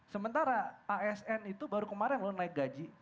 sementara asn itu baru kemarin lo naik gaji